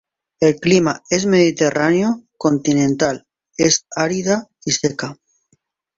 El clima es Mediterráneo Continental, es árida y seca.